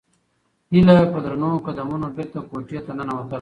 هیله په درنو قدمونو بېرته کوټې ته ننووتله.